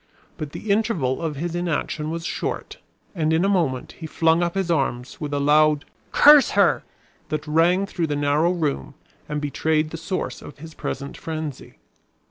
But the interval of his inaction was short, and in a moment he flung up his arms with a loud "Curse her!" that rang through the narrow room and betrayed the source of his present frenzy.